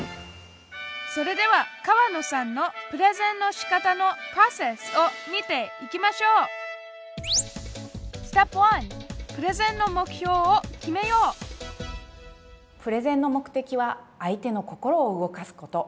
それでは河野さんのプレゼンのしかたのプロセスを見ていきましょうプレゼンの目的は「相手の心を動かす」こと。